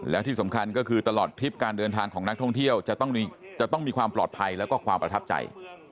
แล้วที่สำคัญก็คือตลอดทริปการเดินทางของนักท่องเที่ยวจะต้องมีความปลอดภัยแล้วก็ความประทับใจ